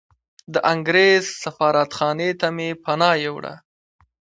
د انګریز سفارتخانې ته مې پناه یووړه.